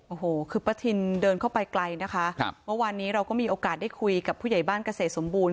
โอ้โหคือป้าทินเดินเข้าไปไกลนะคะครับเมื่อวานนี้เราก็มีโอกาสได้คุยกับผู้ใหญ่บ้านเกษตรสมบูรณ